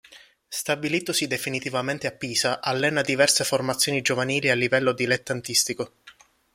Stabilitosi definitivamente a Pisa, allena diverse formazioni giovanili a livello dilettantistico.